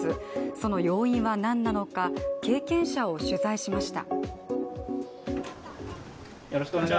その要因は何なのか、経験者を取材しました。